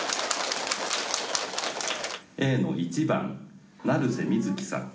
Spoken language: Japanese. Ａの１番成瀬みずきさん。